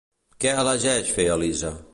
Què elegeix fer Elisa?